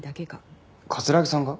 城さんが？